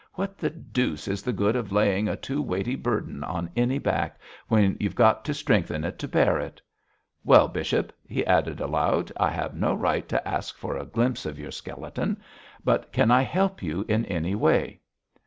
What the deuce is the good of laying a too weighty burden on any back, when you've got to strengthen it to bear it? Well, bishop,' he added aloud, 'I have no right to ask for a glimpse of your skeleton. But can I help you in any way?'